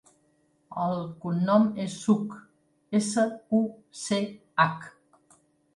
El cognom és Such: essa, u, ce, hac.